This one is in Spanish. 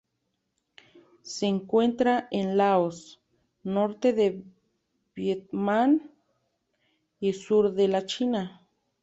Se encuentra en Laos, norte de Vietnam y sur de la China.